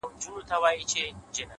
او ښه په ډاگه درته وايمه چي ـ